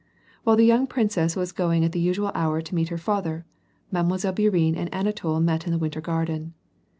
While ; the young princess was going at the usual hour to meet her father. Mile. Bourienne and Anatol met in the winter gardeu.